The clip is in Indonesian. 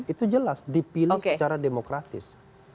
itu jelas dipilih secara demokratis